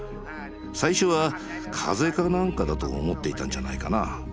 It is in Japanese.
最初は風邪かなんかだと思っていたんじゃないかな。